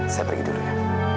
saya pergi dulu ya